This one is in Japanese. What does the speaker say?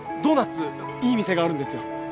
ドーナツいい店があるんですよ。